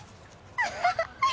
アハハッ！